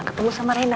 ketemu sama reina